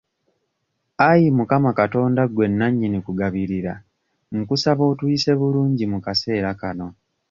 Ayi mukama Katonda gwe nannyini kugabirira nkusaba otuyise bulungi mu kaseera kano.